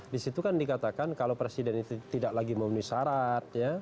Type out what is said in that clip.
di situ kan dikatakan kalau presiden itu tidak lagi memenuhi syarat